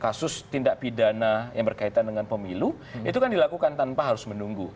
kasus tindak pidana yang berkaitan dengan pemilu itu kan dilakukan tanpa harus menunggu